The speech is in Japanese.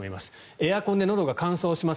エアコンでのどが乾燥します。